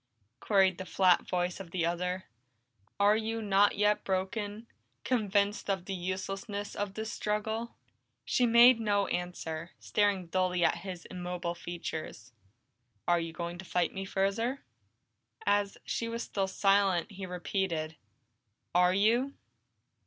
queried the flat voice of the other. "Are you not yet broken, convinced of the uselessness of this struggle?" She made no answer, staring dully at his immobile features. "Are you going to fight me further?" As she was still silent, he repeated, "Are you?"